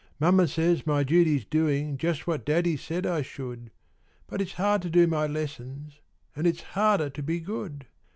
Mamma says my duty's doing Just what daddy said I should; But it's hard to do my lessons; And its harder to be good!